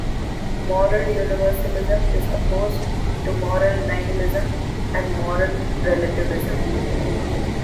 Moral universalism is opposed to moral nihilism and moral relativism.